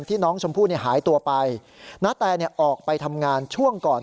ที่น้องชมพู่หายตัวไปณแตออกไปทำงานช่วงก่อน